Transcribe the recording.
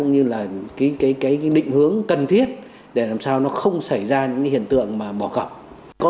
nhưng vẫn được tham gia vào đấu giá xong bỏ cọc